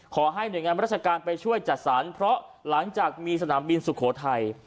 ขอให้หน่วยงานราชการไปช่วยจัดสรรเพราะหลังจากมีสนามบินสุโขทัย